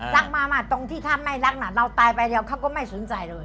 รักมามาตรงที่ถ้าไม่รักน่ะเราตายไปเดียวเขาก็ไม่สนใจเลย